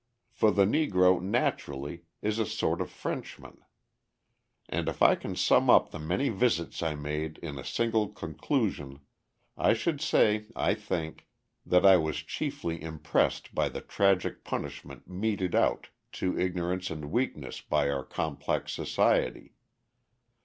For the Negro, naturally, is a sort of Frenchman. And if I can sum up the many visits I made in a single conclusion I should say, I think, that I was chiefly impressed by the tragic punishment meted out to ignorance and weakness by our complex society.